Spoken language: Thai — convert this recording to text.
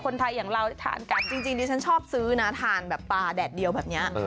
คนไทยอย่างเราทานกันจริงดิฉันชอบซื้อนะทานแบบปลาแดดเดียวแบบนี้